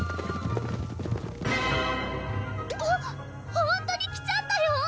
ほんとに来ちゃったよ